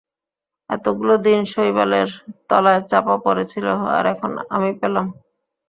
এতগুলো দিন শৈবালের তলায় চাপা পড়ে ছিল, আর এখন আমি পেলাম।